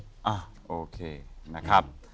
อ่ะโอเคนะครับ